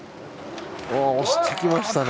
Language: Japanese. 押してきましたね。